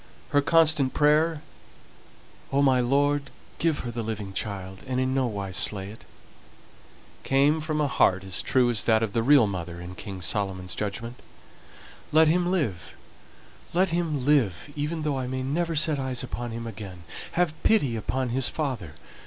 Her constant prayer, "O my Lord! give her the living child, and in no wise slay it," came from a heart as true as that of the real mother in King Solomon's judgment. "Let him live, let him live, even though I may never set eyes upon him again. Have pity upon his father!